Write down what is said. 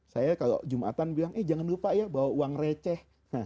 saya kalau jumatan bilang eh jangan lupa ya bawa uang receh